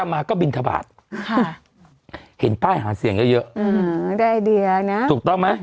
มาก็บินทบาทค่ะเห็นป้ายหาเสียงเยอะเยอะอืมได้ไอเดียนะถูกต้องไหม